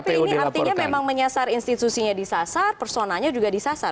tapi ini artinya memang menyasar institusinya disasar personanya juga disasar